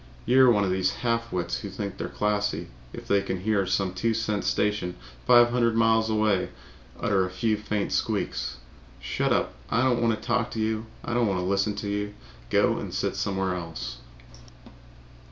You're one of these half wits that think they're classy if they can hear some two cent station five hundred miles away utter a few faint squeaks. Shut up! I don't want to talk to you. I don't want to listen to you. Go and sit somewhere else."